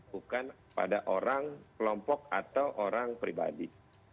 bukan pada orang kelompok atau orang pribadi